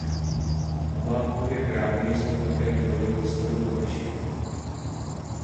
Památkově chráněny jsou také budovy kostelů a mešit.